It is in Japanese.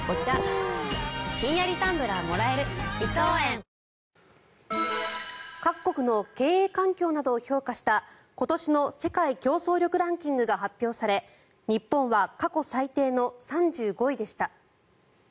脂肪に選べる「コッコアポ」各国の経営環境などを評価した今年の世界競争力ランキングが発表され日本は過去最低の３５位でした。